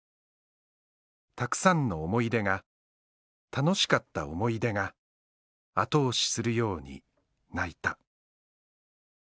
「たくさんの思い出が楽しかった思い出が後押しするように泣いた」